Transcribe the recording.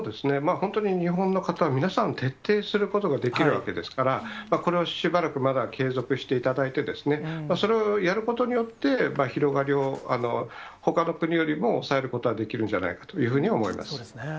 本当に日本の方、皆さん、徹底することができるわけですから、これをしばらくまだ継続していただいてですね、それをやることによって、広がりを、ほかの国よりも抑えることはできるんじゃないかというふうには思そうですね。